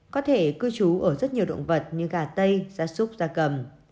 có thể cư trú ở rất nhiều động vật như gà tây da súc da cầm